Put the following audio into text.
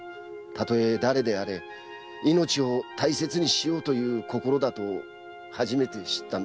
たとえ誰であれ命を大切にしようという心だと初めて知ったんです。